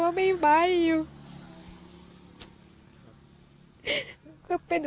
โปรดติดตามต่อไป